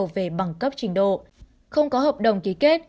về bằng cấp trình độ không có hợp đồng ký kết